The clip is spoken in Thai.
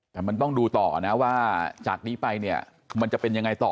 แต่มันต้องดูต่อนะว่าจากนี้ไปเนี่ยมันจะเป็นยังไงต่อ